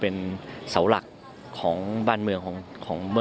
พันธุ์ท่านบรรหารเองนั้นเนี่ยถือว่าเป็นเสาหลัก